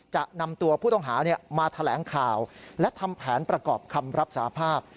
จะนำตัวผู้ต้องหามาแถลงข่าวและทำแผนประกอบคำรับสาภาพ